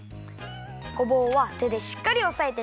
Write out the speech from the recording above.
ごぼうはてでしっかりおさえてね。